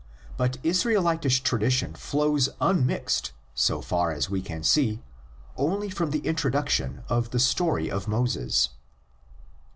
But Israelitish tradition flows unmixed, so far as we can see, only from the intro duction of the story of Moses.